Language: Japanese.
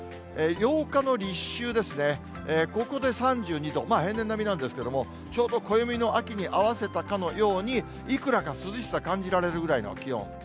８日の立秋ですね、ここで３２度、平年並みなんですけど、ちょうど暦の秋に合わせたかのように、イクラか涼しさ感じられるぐらいの気温。